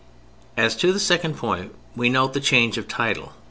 As to the second point: we note the change of title.